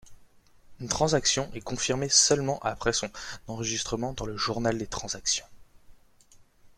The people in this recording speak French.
Une transaction est confirmée seulement après son enregistrement dans le journal des transactions.